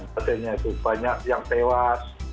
padahal banyak yang tewas